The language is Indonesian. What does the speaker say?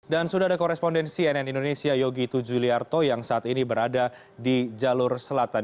dan sudah ada korespondensi nn indonesia yogi tujuliarto yang saat ini berada di jalur selatan